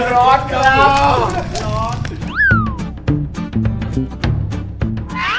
ร้อน